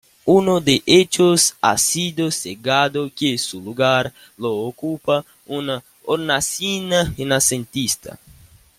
Uno de ellos ha sido cegado y su lugar lo ocupa una hornacina renacentista.